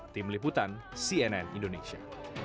tim liputan cnn indonesia